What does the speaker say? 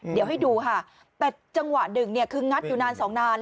เดี๋ยวให้ดูค่ะแต่จังหวะหนึ่งเนี่ยคืองัดอยู่นานสองนาน